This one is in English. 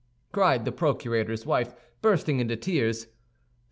cried the procurator's wife, bursting into tears.